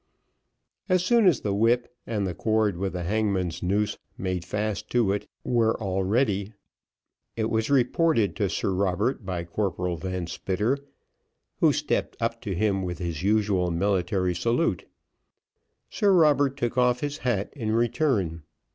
As soon as the whip, and the cord with the hangman's noose made fast to it, were all ready, it was reported to Sir Robert by Corporal Van Spitter, who stepped up to him with his usual military salute. Sir Robert took off his hat in return.